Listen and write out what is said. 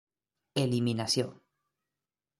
Eliminació: